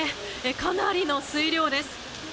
かなりの水量です。